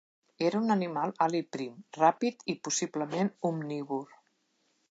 Era un animal alt i prim, ràpid i possiblement omnívor.